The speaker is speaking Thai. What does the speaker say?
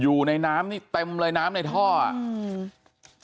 อยู่ในน้ำนี่เต็มเลยน้ำในท่ออ่ะอืม